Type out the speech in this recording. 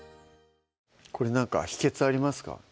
これ何か秘訣ありますか？